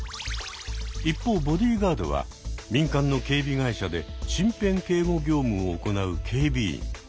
一方ボディーガードは民間の警備会社で身辺警護業務を行う警備員。